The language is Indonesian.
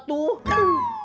sampai jumpa lagi